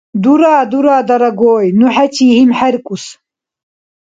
– Дура, дура, дарагой, ну хӀечи гьимхӀеркӀус.